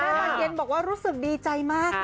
บานเย็นบอกว่ารู้สึกดีใจมาก